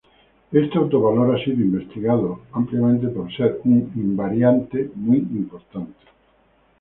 Este autovalor ha sido investigado ampliamente por ser un invariante muy importante.